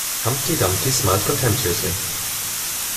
Humpty Dumpty smiled contemptuously.